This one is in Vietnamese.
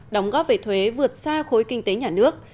đóng góp về thuế vượt xa khối kinh tế nhà nước